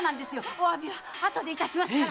お詫びはあとでいたしますから。